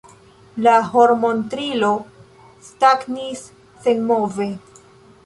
La hormontrilo stagnis senmove.